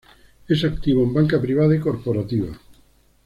Es activo en banca privada y corporativa.